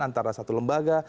antara satu lembaga